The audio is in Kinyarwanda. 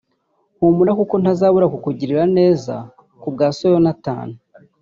Humura kuko ntazabura kukugirira neza ku bwa So Yonatani